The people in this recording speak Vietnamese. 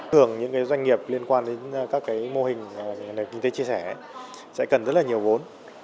tưởng những doanh nghiệp liên quan đến các mô hình nền kinh tế chia sẻ sẽ cần rất là nhiều vốn